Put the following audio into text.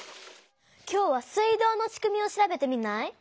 今日は水道のしくみを調べてみない？